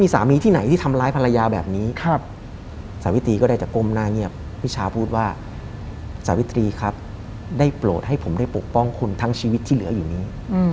สาวิตรีครับได้โปรดให้ผมได้ปกป้องคุณทั้งชีวิตที่เหลืออยู่นี้